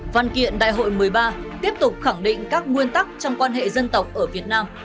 văn kiện đại hội một mươi ba tiếp tục khẳng định các nguyên tắc trong quan hệ dân tộc ở việt nam